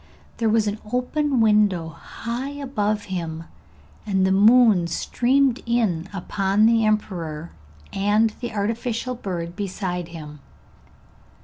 There was an open window high above him, and the moon streamed in upon the emperor, and the artificial bird beside him.